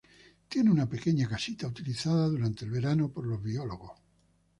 Tiene una pequeña casita utilizada durante el verano por los biólogos.